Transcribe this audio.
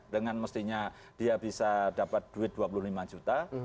dengan mestinya dia bisa dapat duit dua puluh lima juta